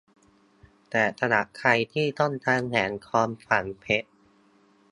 แต่สำหรับใครที่ต้องการแหวนทองฝังเพชร